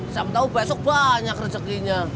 siapa tahu besok banyak rezekinya